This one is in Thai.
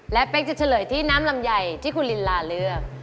และเป็นเดิมเดิมจะเฉลยที่น้ำลำใยที่คุณลินลาเลือก